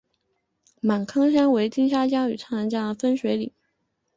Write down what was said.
芒康山为金沙江与澜沧江的分水岭。